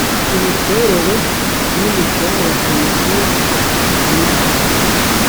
imiterere n imikorere ya Komisiyo nimbi.